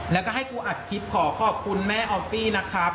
แล้วก็ให้กูอัดคลิปขอขอบคุณแม่ออฟฟี่นะครับ